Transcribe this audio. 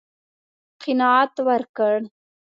قناعت ورکړ.